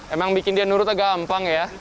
emang bikin dia nurut agak gampang ya